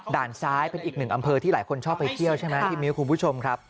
ด้านซ้ายเป็นอีกหนึ่งอำเภอที่หลายคนชอบไปเที่ยวใช่ไหมพี่มิ้วคุณผู้ชมครับ